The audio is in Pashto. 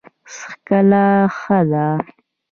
څکلا ښه ده.